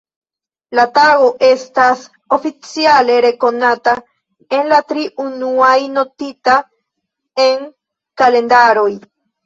La tago estas oficiale rekonata en la tri unuaj, notita en kalendaroj.